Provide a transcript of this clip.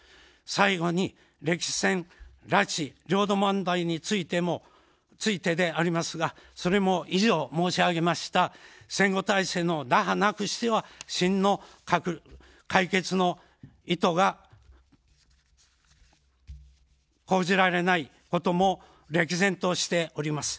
最後に歴史戦、拉致、領土問題についてでありますが、それも以上申し上げました戦後体制の打破なくしては真の解決の意図が講じられないことも歴然としております。